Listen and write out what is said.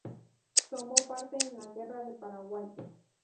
Tomó parte en la guerra del Paraguay.